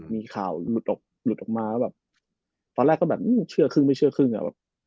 มีข่าวหลุดออกมาตอนแรกก็แบบเชื่อครึ่งไม่เชื่อครึ่งอะ